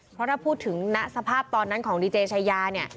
เพราะถ้าพูดถึงณสภาพตอนนั้นของดีเจชายาเนี่ย